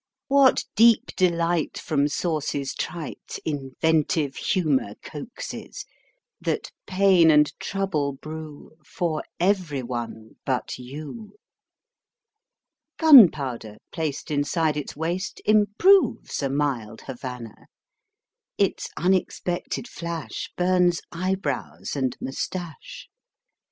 What deep delight from sources trite inventive humour coaxes, That pain and trouble brew For every one but you ! Gunpowder placed inside its waist improves a mild Havana, Its unexpected flash Bums eyebrows and moustache.